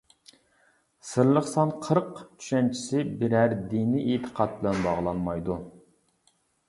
سىرلىق سان «قىرىق» چۈشەنچىسى بىرەر دىنىي ئېتىقاد بىلەن باغلانمايدۇ.